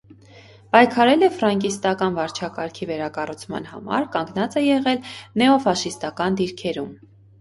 Պայքարել է ֆրանկիստական վարչակարգի վերակառուցման համար, կանգնած է եղել նեոֆաշիստական դիրքերում։